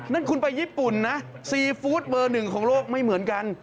นั่นคุณไปญี่ปุ่นนะซีฟู้ดเบอร์หนึ่งของโลกไม่เหมือนกัน